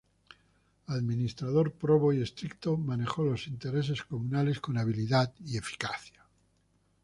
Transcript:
Administrador probo y estricto, manejo los intereses comunales con habilidad y eficacia.